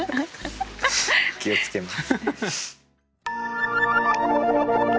気を付けます。